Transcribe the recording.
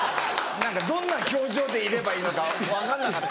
何かどんな表情でいればいいのか分かんなかった。